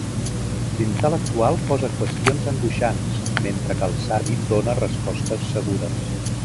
L'intel·lectual posa qüestions angoixants, mentre que el savi dóna respostes segures.